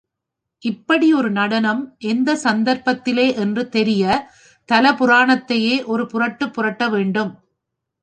இப்படி ஒரு நடனம் எந்தச் சந்தர்ப்பத்திலே என்று தெரியத் தல புராணத்தையே ஒரு புரட்டுப் புரட்ட வேண்டும்.